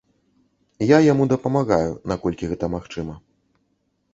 Я яму дапамагаю, наколькі гэта магчыма.